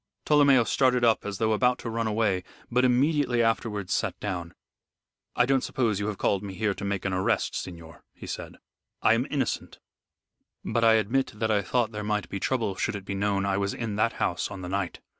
Tolomeo started up as though about to run away, but immediately afterwards sat down. "I don't suppose you have called me here to make an arrest, signor," he said. "I am innocent, but I admit that I thought there might be trouble should it be known I was in that house on the night.